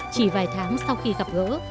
chỉ vài tháng sau khi gặp gỡ